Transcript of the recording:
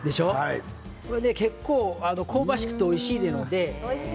結構、香ばしくておいしいです。